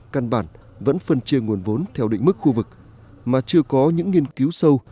căn bản vẫn phân chia nguồn vốn theo định mức khu vực mà chưa có những nghiên cứu sâu